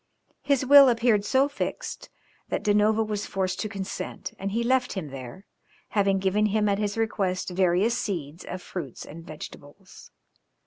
His will appeared so fixed that Da Nova was forced to consent, and he left him there, having given him at his request various seeds of fruits and vegetables.